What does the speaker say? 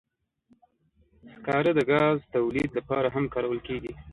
سکاره د ګاز تولید لپاره هم کارول کېږي.